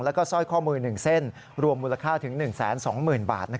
แล้วก็สร้อยข้อมือ๑เส้นรวมมูลค่าถึง๑๒๐๐๐บาท